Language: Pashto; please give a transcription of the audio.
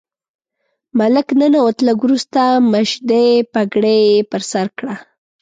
ملک ننوت، لږ وروسته مشدۍ پګړۍ یې پر سر کړه.